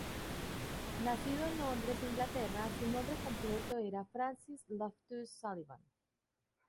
Nacido en Londres, Inglaterra, su nombre completo era Francis Loftus Sullivan.